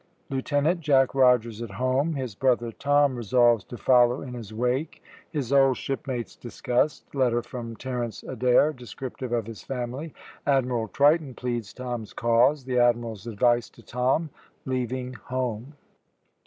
LIEUTENANT JACK ROGERS AT HOME HIS BROTHER TOM RESOLVES TO FOLLOW IN HIS WAKE HIS OLD SHIPMATES DISCUSSED LETTER FROM TERENCE ADAIR DESCRIPTIVE OF HIS FAMILY ADMIRAL TRITON PLEADS TOM'S CAUSE THE ADMIRAL'S ADVICE TO TOM LEAVING HOME.